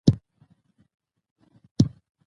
د افغانستان جغرافیه کې ځمکه ستر اهمیت لري.